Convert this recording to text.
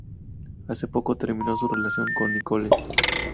Hace poco terminó su relación con Nicole.